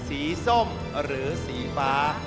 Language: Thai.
ส้มหรือสีฟ้า